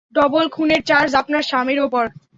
Double খুনের charge আপনার স্বামীর উপর।